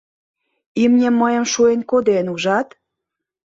— Имне мыйым шуэн коден, ужат!